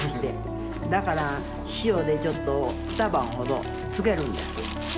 だから塩でちょっと２晩ほど漬けるんです。